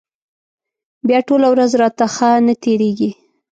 بیا ټوله ورځ راته ښه نه تېرېږي.